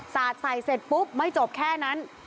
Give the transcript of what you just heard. สาดใส่เสร็จปุ๊บไม่จบแค่นั้น